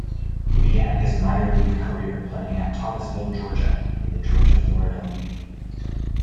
He began his minor league career playing at Thomasville, Georgia, in the Georgia-Florida League.